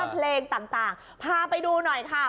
เพลงต่างพาไปดูหน่อยค่ะ